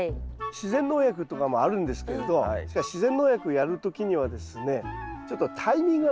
自然農薬とかもあるんですけれどしかし自然農薬をやる時にはですねちょっとタイミングが難しいんですよね。